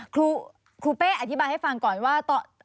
ครูเป้อธิบายให้ฟังก่อนว่า